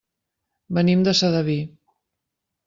Venim de Sedaví.